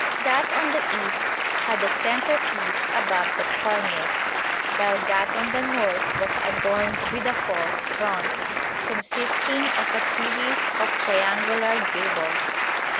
That on the east had a centrepiece above the cornice; while that on the north was adorned with a false front, consisting of a series of triangular gables.